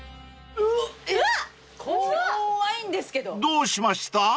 ［どうしました？］